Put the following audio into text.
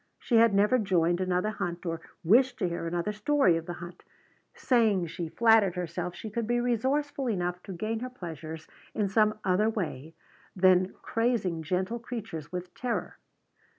She had never joined another hunt or wished to hear another story of the hunt, saying she flattered herself she could be resourceful enough to gain her pleasures in some other way than crazing gentle creatures with terror.